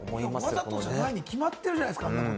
わざとじゃないに決まってるじゃないですか。